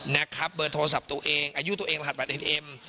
นะครับเบอร์โทรศัพท์ตัวเองอายุตัวเองรหัสบัตเอ็นเอ็ม